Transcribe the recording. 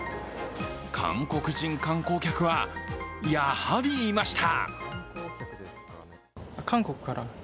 韓国人観光客は、やはりいました。